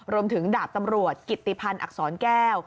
รวมถึงดาบตำรวจกิตติพันธ์อักษรแก้ว